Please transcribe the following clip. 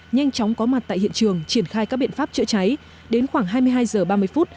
nhanh chóng có mặt tại hiện trường triển khai các biện pháp chữa cháy đến khoảng hai mươi hai h ba mươi phút